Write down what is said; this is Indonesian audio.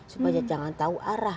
supaya jangan tahu arah